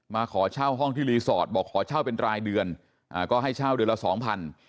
มาขอเช่าห้องที่รีสอร์ทบอกขอเช่าเป็นรายเดือนก็ให้เช่าเดือนละสองพัน